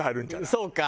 そうか。